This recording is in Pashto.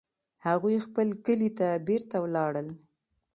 هغوی خپل کلي ته بیرته ولاړل